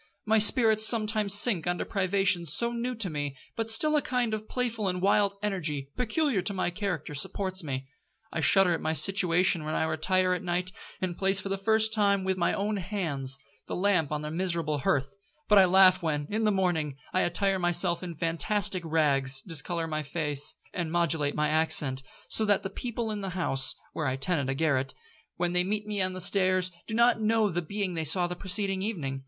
My spirits sometimes sink under privations so new to me, but still a kind of playful and wild energy, peculiar to my character, supports me. I shudder at my situation when I retire at night, and place, for the first time with my own hands, the lamp on the miserable hearth; but I laugh when, in the morning, I attire myself in fantastic rags, discolour my face, and modulate my accent, so that the people in the house, (where I tenant a garret), when they meet me on the stairs, do not know the being they saw the preceding evening.